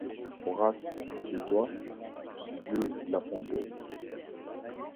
Horace, et toi, vieux La Fontaine